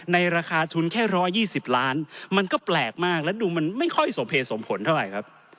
ราคาทุนแค่๑๒๐ล้านมันก็แปลกมากและดูมันไม่ค่อยสมเหตุสมผลเท่าไหร่ครับ